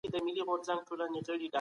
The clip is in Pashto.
ابن خلدون د منتسکیو څخه مخکي تېر سوی.